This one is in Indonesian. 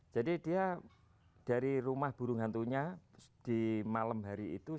jadi dia dari rumah burung hantunya di malam hari itu